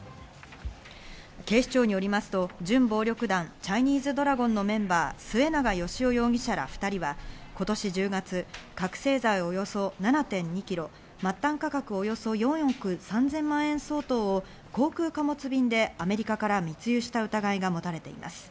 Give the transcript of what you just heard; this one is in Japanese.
警視庁によりますと準暴力団、チャイニーズドラゴンのメンバー、末永芳男容疑者ら２人は今年１０月、覚醒剤およそ７．２ｋｇ、末端価格およそ４億３０００万円相当を航空貨物便でアメリカから密輸した疑いが持たれています。